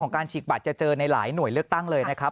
การฉีกบัตรจะเจอในหลายหน่วยเลือกตั้งเลยนะครับ